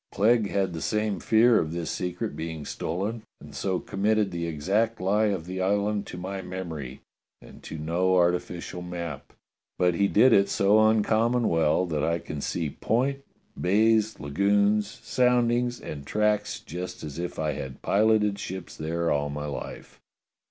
Clegg had the same fear of this secret being stolen and so committed the exact lie of the island to my memory, and to no arti ficial map, but he did it so uncommon well that I can see point, bays, lagoons, soundings, and tracks just as if I had piloted ships there all my life."